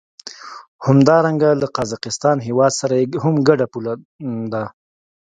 همدارنګه له قزاقستان هېواد سره یې هم ګډه پوله ده.